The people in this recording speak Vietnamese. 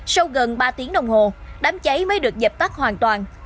sau gần ba tiếng đồng hồ đám cháy mới được dập tắt hoàn toàn